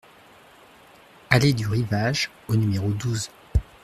Allée du Rivage au numéro douze